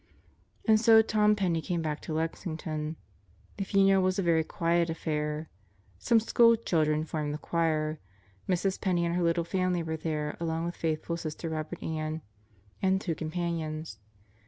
And so Tom Penney came back to Lexington. The funeral was a very quiet affair. Some school children formed the choir. Mrs. Penney and her little family were there along with faithful Sister Robert Ann and two companions.